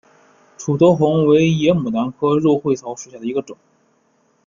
楮头红为野牡丹科肉穗草属下的一个种。